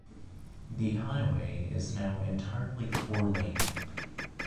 The highway is now entirely four lane.